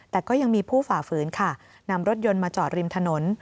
แต่ก็ยังมีผู้ฝ่าฝืนค่ะนำรถยนต์มาจอดริมถนน